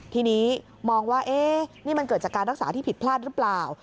ทีนี้มองว่านี่มันเกิดจากการรักษาที่ผิดพลาดหรือเปล่า